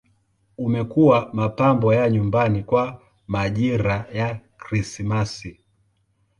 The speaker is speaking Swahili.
Umekuwa mapambo ya nyumbani kwa majira ya Krismasi.